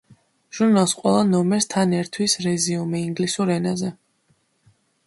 ჟურნალს ყველა ნომერს თან ერთვის რეზიუმე ინგლისურ ენაზე.